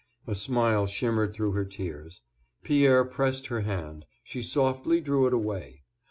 A smile shimmered through her tears. Pierre pressed her hand; she softly drew it away.